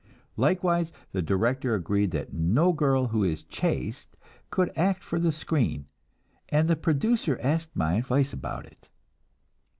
Likewise, the director agreed that no girl who is chaste could act for the screen, and the producer asked my advice about it.